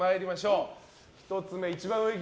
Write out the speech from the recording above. １つ目、一番上。